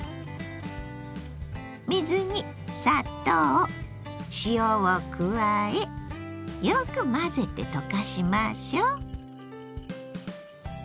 水に砂糖塩を加えよく混ぜて溶かしましょう。